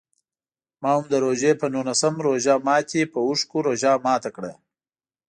ما هم د روژې په نولسم روژه ماتي په اوښکو روژه ماته کړه.